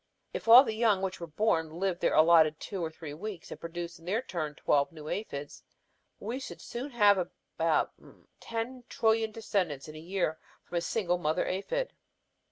If all the young which are born live their allotted two or three weeks and produce in their turn twelve new aphids, we should have about ten trillion descendants in a year from a single mother aphid.